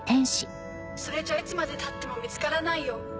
それじゃいつまでたっても見つからないよ。